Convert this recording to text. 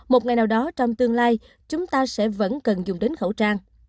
một ngày nào đó trong tương lai chúng ta sẽ vẫn cần dùng đến khẩu trang